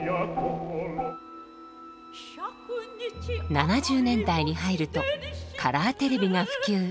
７０年代に入るとカラーテレビが普及。